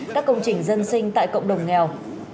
các công trình dân sinh tại cộng đồng nghèo